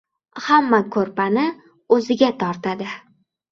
• Hamma ko‘rpani o‘ziga tortadi.